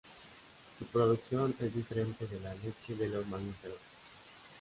Su producción es diferente de la de la leche de los mamíferos.